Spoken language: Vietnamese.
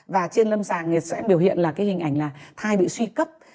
và trên lâm sàng thì sẽ biểu hiện là cái hình ảnh là thai bị suy cấp